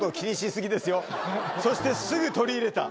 そしてすぐ取り入れた。